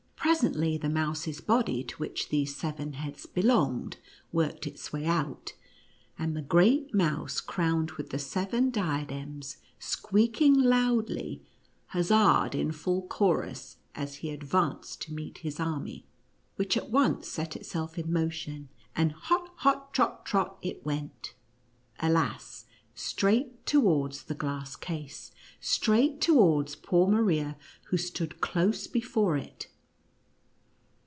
Presently the mouse's body to which these seven heads belonged, worked its way out, and the great mouse crowned with the seven diadems, squeaking loudly, huzzaed in full chorus, as he advanced to meet his army, which at once set itself in motion, and hott — hott — trot — trot it went — alas, straight towards the glass case — straight towards poor Maria who stood close be fore it